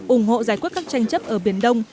ủng hộ giải quyết các tranh chấp ở biển đông